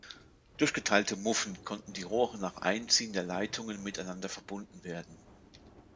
Durch geteilte Muffen konnten die Rohre nach Einziehen der Leitungen miteinander verbunden werden.